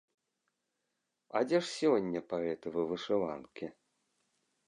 А дзе ж сёння паэтавы вышыванкі?